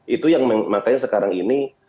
itu yang makanya sekarang ini